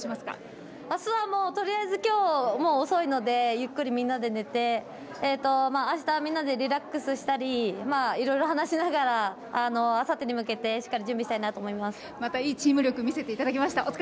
あすはとりあえず今日は遅いのでゆっくりみんなで寝てあした、みんなでリラックスしたりいろいろ話しながらあさってに向けてまたいいチーム力を見せていただきました。